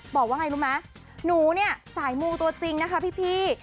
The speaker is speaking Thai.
บอกว่าไงรู้ไหมหนูเนี่ยสายมูตัวจริงนะคะพี่